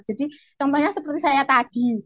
jadi contohnya seperti saya tadi